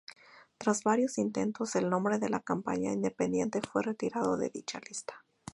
Tras varios intentos, el nombre de la compañía independiente fue retirado de dicha lista.